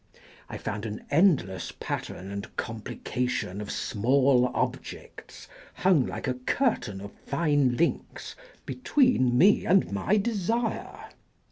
I found an end less pattern and complication of small objects hung like a curtain of fine links be tween me and my desire.